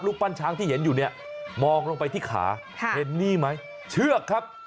ปั้นช้างที่เห็นอยู่เนี่ยมองลงไปที่ขาเห็นนี่ไหมเชือกครับ